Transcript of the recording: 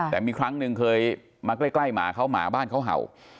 แต่มีครั้งหนึ่งเคยมาใกล้หมาเขาหมาบ้านเขาเห่า